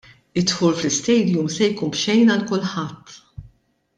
Id-dħul fl-istadium se jkun b'xejn għal kulħadd.